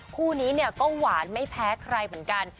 คู่นี้เนี่ยก็หวานไม่แพ้ใครเหมือนกัน